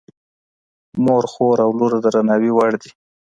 مور، خور او لور د درناوي وړ دي.